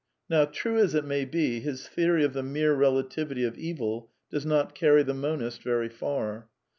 Now, true as it may be, his theory of the mere relativity of evil does not carry the monist very far.